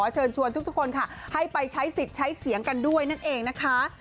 เชิญชวนทุกคนค่ะให้ไปใช้สิทธิ์ใช้เสียงกันด้วยนั่นเองนะคะ